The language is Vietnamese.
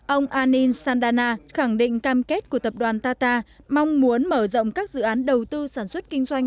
ông ann sandana khẳng định cam kết của tập đoàn tata mong muốn mở rộng các dự án đầu tư sản xuất kinh doanh